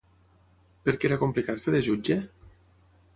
Per què era complicat fer de jutge?